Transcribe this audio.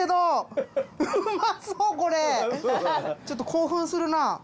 ちょっと興奮するな。